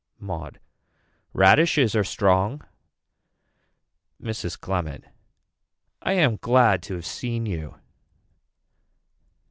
Maud. Radishes are strong. Mrs. Clement. I am glad to have seen you.